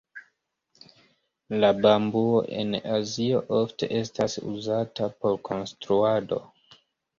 La bambuo en Azio ofte estas uzata por konstruado.